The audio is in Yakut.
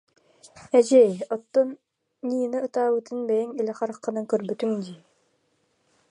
Эдьиэй, оттон Нина ытаабытын бэйэҥ илэ хараххынан көрбүтүҥ дии